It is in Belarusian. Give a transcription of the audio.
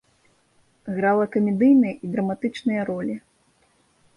Грала камедыйныя і драматычныя ролі.